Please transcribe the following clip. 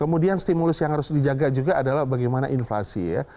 kemudian stimulus yang harus dijaga juga adalah bagaimana inflasi ya